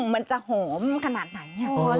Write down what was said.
มันจะหอมขนาดไหน